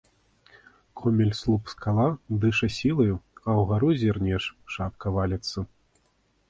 Комель — слуп-скала, дыша сілаю, а ўгару зірнеш — шапка валіцца.